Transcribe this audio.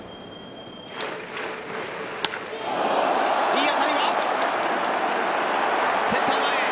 いい当たりはセンター前へ。